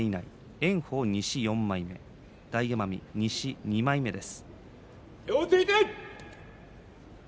炎鵬は西４枚目大奄美は西２枚目です。